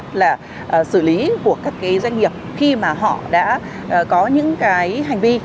tính chất là xử lý của các doanh nghiệp khi mà họ đã có những hành vi